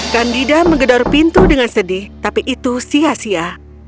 candida menggedor pintu dengan sedih tapi itu sia sia